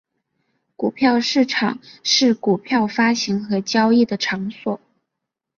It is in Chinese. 股票市场是股票发行和交易的场所。